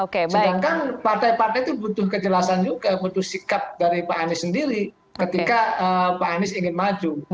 sedangkan partai partai itu butuh kejelasan juga butuh sikap dari pak anies sendiri ketika pak anies ingin maju